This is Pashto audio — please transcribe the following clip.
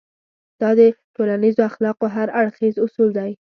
دا د ټولنيزو اخلاقو هر اړخيز اصول دی.